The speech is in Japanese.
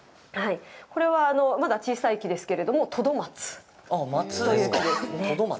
これは、まだ小さい木ですけれどもトドマツという木ですね。